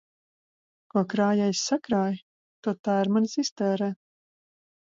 Ko krājējs sakrāj, to tērmanis iztērē.